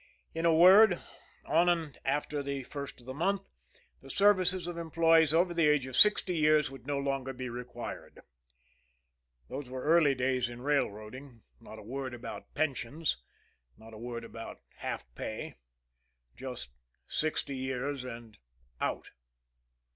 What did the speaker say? In a word, on and after the first of the month the services of employees over the age of sixty years would no longer be required. Those were early days in railroading; not a word about pensions, not a word about half pay; just sixty years and out!